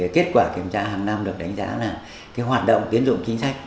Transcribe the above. kết quả kiểm tra hàng năm được đánh giá là hoạt động tiến dụng chính sách